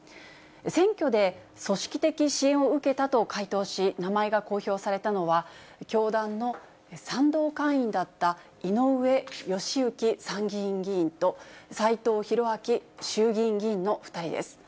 選挙で組織的支援を受けたと回答し、名前が公表されたのは、教団の賛同会員だった井上義行参議院議員と、斎藤洋明衆議院議員の２人です。